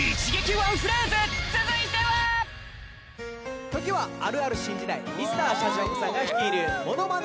ワンフレーズ続いては時は「あるある」新時代Ｍｒ．シャチホコさんが率いるモノマネ